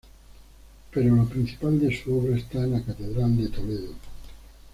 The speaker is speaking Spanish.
Pero lo principal de su obra está en la catedral de Toledo.